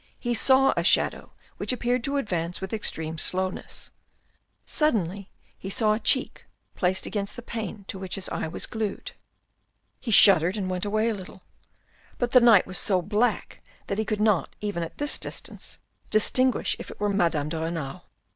He saw a shadow which appeared to advance with extreme slowness. Suddenly he saw a cheek placed against the pane to which his eye was glued. He shuddered and went away a little, but the night was so black that he could not, even at this distance, distinguish if it were Madame de Renal.